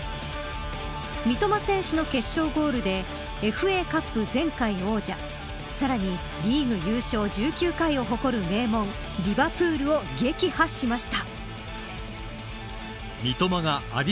三笘選手の決勝ゴールでＦＡカップ前回王者さらにリーグ優勝１９回を誇る名門リバプールを撃破しました。